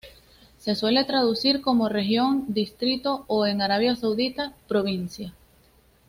Se suele traducir como "región", "distrito" o, en Arabia Saudita, "provincia".